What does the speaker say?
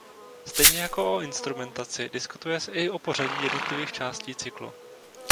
Stejně jako o instrumentaci diskutuje se i o pořadí jednotlivých částí cyklu.